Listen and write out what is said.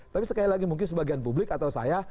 tapi sekali lagi mungkin sebagian publik atau saya